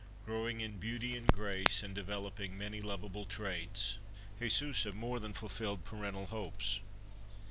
Growing in beauty and grace and developing many lovable traits, Jesusa more than fulfilled parental hopes.